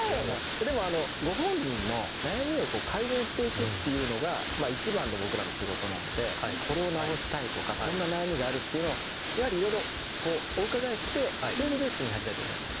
でもご本人の悩みを改善していくっていうのが一番の僕らの仕事なのでこれを直したいとかこんな悩みがあるっていうのをやはりいろいろこうお伺いしてそれでレッスンに入りたいと思います。